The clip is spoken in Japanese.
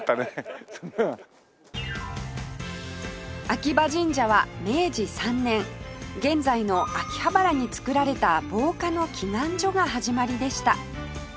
秋葉神社は明治３年現在の秋葉原に造られた防火の祈願所が始まりでした